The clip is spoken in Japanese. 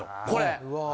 これ。